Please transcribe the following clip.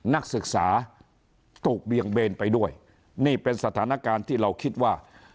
นักศึกษาถูกเบี่ยงเบนไปด้วยนี่เป็นสถานการณ์ที่เราคิดว่า